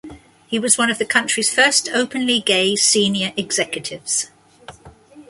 He was one of the country's first openly gay senior executives.